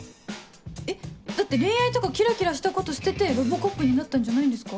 だって恋愛とかキラキラしたこと捨ててロボコップになったんじゃないんですか？